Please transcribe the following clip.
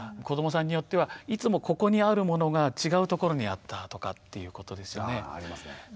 子どもさんによってはいつもここにあるものが違うところにあったとかっていうことですよね。